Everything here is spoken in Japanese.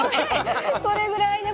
それぐらいでも。